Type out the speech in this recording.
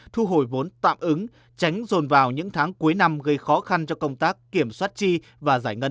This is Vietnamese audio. thu hồi vốn tạm ứng tránh dồn vào những tháng cuối năm gây khó khăn cho công tác kiểm soát chi và giải ngân